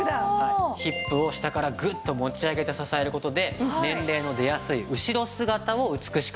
ヒップを下からグッと持ち上げて支える事で年齢の出やすい後ろ姿を美しくサポートしてくれます。